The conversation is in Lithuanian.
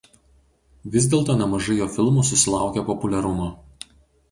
Vis dėlto nemažai jo filmų susilaukė populiarumo.